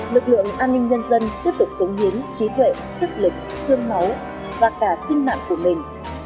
lực lượng an ninh nhân dân tiếp tục cống hiến trí tuệ sức lực sương máu và cả sinh mạng của mình